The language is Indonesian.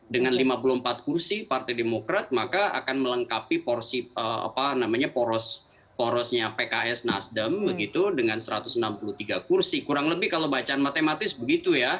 dengan lima puluh empat kursi partai demokrat maka akan melengkapi porosnya pks nasdem begitu dengan satu ratus enam puluh tiga kursi kurang lebih kalau bacaan matematis begitu ya